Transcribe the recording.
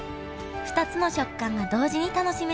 ２つの食感が同時に楽しめる。